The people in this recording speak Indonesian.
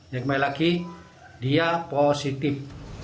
yang kembali lagi dia positif